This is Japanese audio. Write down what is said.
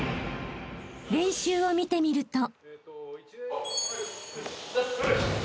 ［練習を見てみると］